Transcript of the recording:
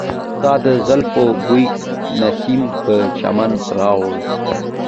ستا د زلفو بوی نسیم په چمن راوړ.